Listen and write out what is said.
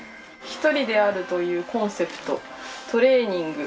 「一人であるというコンセプト」「トレーニング」